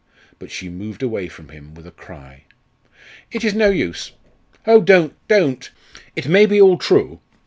But she moved away from him with a cry. "It is no use! Oh, don't don't! It may be all true.